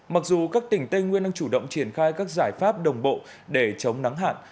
mặc dù các tỉnh tây nguyên đang chủ động triển khai các giải pháp đồng bộ để chống nắng hạn